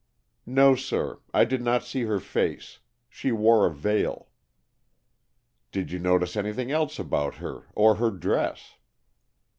"No, sir. I did not see her face. She wore a veil." "Did you notice anything else about her or her dress?"